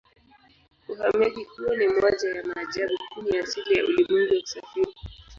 Uhamiaji huo ni moja ya maajabu kumi ya asili ya ulimwengu ya kusafiri.